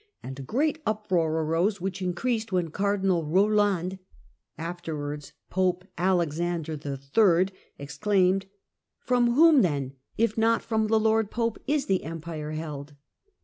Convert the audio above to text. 124) and a great uproar arose, which increased when Cardinal Roland, afterwards Pope Alexander III., ex claimed :" From whom, then, if not from the lord Pope, is the Empire held